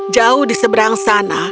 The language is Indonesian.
jauh di seberang sana